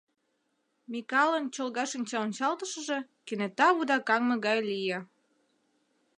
Микалын чолга шинчаончалтышыже кенета вудакаҥме гай лие...